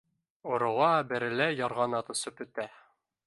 Орола-бәрелә ярғанат осоп үтә